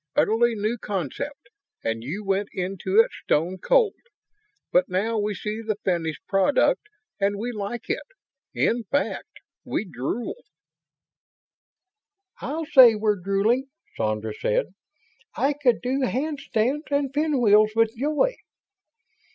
Utterly new concept and you went into it stone cold. But now we see the finished product and we like it. In fact, we drool." "I'll say we're drooling," Sandra said. "I could do handstands and pinwheels with joy."